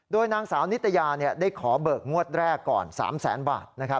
โดยนางสาวนิตยาได้ขอเบิกงวดแรกก่อน๓แสนบาท